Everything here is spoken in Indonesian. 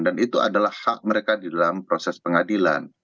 dan itu adalah hak mereka di dalam proses pengadilan